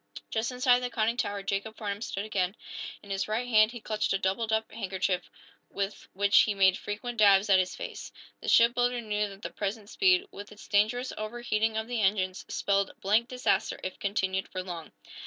Just inside the conning tower Jacob Farnum stood again. In his right hand he clutched a doubled up handkerchief, with which he made frequent dabs at his face. The shipbuilder knew that the present speed, with its dangerous overheating of the engines, spelled blank disaster if continued for long.